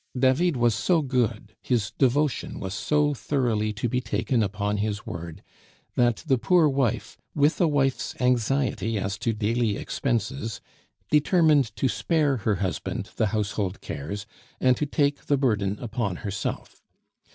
David was so good, his devotion was so thoroughly to be taken upon his word, that the poor wife, with a wife's anxiety as to daily expenses, determined to spare her husband the household cares and to take the burden upon herself.